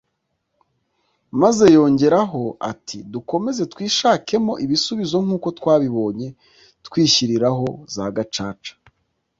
maze yongeraho ati “Dukomeze twishakemo ibisubizo nk’uko twabibonye twishyiriraho za Gacaca